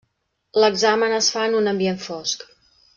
L'examen es fa en un ambient fosc.